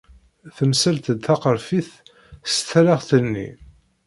Temselt-d taqerfit s talaɣt-nni.